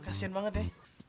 kasian banget ya